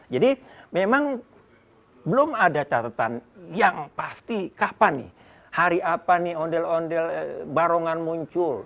jadi memang belum ada catatan yang pasti kapan nih hari apa nih ondel ondel barongan muncul